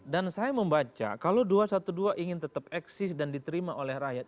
dan saya membaca kalau dua ratus dua belas ingin tetap eksis dan diterima oleh rakyat